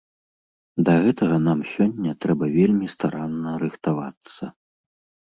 Да гэтага нам сёння трэба вельмі старанна рыхтавацца.